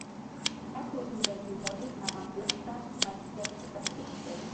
watu wengi walijumuika na malkia katika siku ya kuzaliwa